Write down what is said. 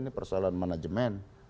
ini persoalan manajemen